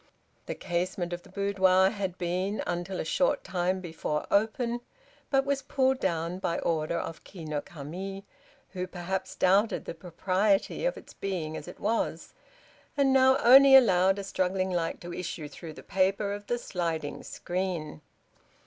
The casement of the boudoir had been, until a short time before, open, but was pulled down by order of Ki no Kami, who, perhaps, doubted the propriety of its being as it was, and now only allowed a struggling light to issue through the paper of the "sliding screen!"